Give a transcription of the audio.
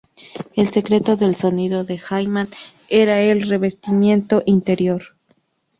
El secreto del sonido de Hayman eran el revestimiento interior.